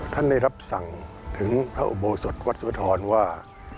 ท่านได้รับสั่งถึงพระอุโบสถวัดสุธรว่า